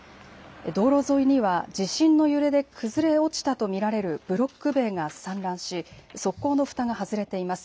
道路沿いには地震の揺れで崩れ落ちたと見られるブロック塀が散乱し側溝のふたが外れています。